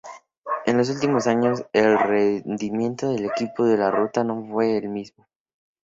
En los últimos años el rendimiento del equipo de ruta no fue el mismo.